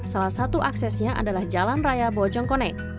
salah satu aksesnya adalah jalan raya bojong kone